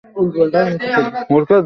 উমেশ অল্পে ক্ষান্ত হইবার ছেলে নহে।